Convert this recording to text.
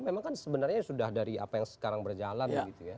memang kan sebenarnya sudah dari apa yang sekarang berjalan